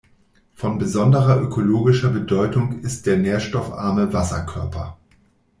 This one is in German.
Von besonderer ökologischer Bedeutung ist der nährstoffarme Wasserkörper.